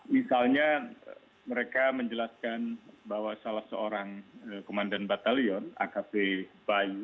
misalnya mereka menjelaskan bahwa salah seorang komandan batalion akp bayi